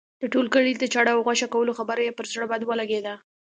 د ټول کلي د چاړه او غوښه کولو خبره یې پر زړه بد ولګېده.